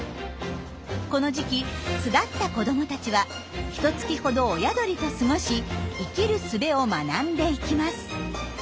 この時期巣立った子どもたちはひと月ほど親鳥と過ごし生きるすべを学んでいきます。